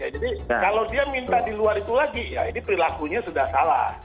jadi kalau dia minta di luar itu lagi ya ini perilakunya sudah salah